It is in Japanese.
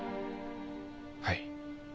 はい。